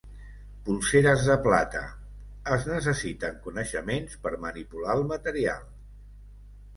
Polseres de plata: es necessiten coneixements per manipular el material.